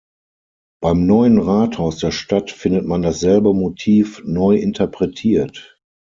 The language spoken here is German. Beim Neuen Rathaus der Stadt findet man dasselbe Motiv neu interpretiert.